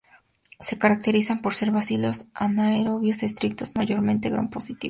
Se caracterizan por ser bacilos anaerobios estrictos, mayormente Gram positivos.